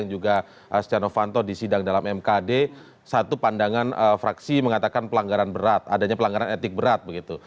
kita perhatikan bahwa terento di sidang dalam mkd satu pandangan fraksi mengatakan pelanggaran berat adanya pelanggaran etik berat begitu